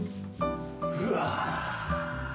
うわ。